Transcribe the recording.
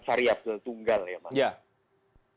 variabel tunggal ya mas